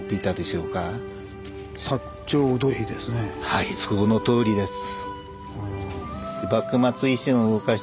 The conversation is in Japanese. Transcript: はいそのとおりです。